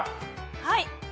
はい。